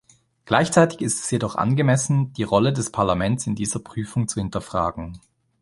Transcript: Gleichzeitig ist es jedoch angemessen, die Rolle des Parlaments in dieser Prüfung zu hinterfragen.